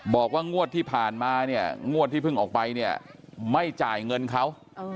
บอกว่างวดที่ผ่านมาเนี่ยงวดที่เพิ่งออกไปเนี่ยไม่จ่ายเงินเขา